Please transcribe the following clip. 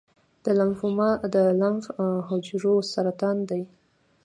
د لمفوما د لمف حجرو سرطان دی.